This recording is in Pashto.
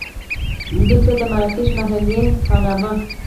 دلته د مراکشي محلې په نامه.